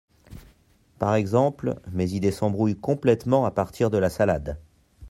Par exemple, mes idées s’embrouillent complètement à partir de la salade !